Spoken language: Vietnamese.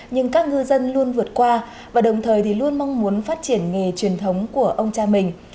nhưng các ngư dân luôn vượt qua và đồng thời thì luôn mong muốn phát triển nghề truyền thống của ông cha mình